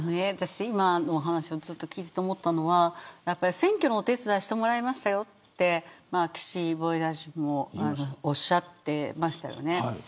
今の話、聞いていて思ったのは選挙のお手伝いしてもらいましたよって岸防衛大臣もおっしゃっていましたよね。